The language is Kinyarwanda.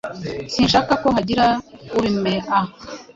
Sinshaka ko hagira ubimea.